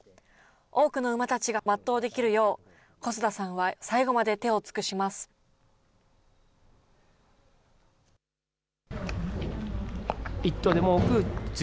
多くの馬たちが全うできるよう、小須田さんは最後まで手を尽くします。